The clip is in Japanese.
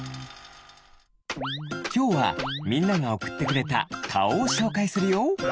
きょうはみんながおくってくれたかおをしょうかいするよ。